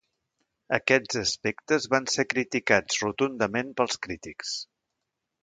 Aquests aspectes van ser criticats rotundament pels crítics.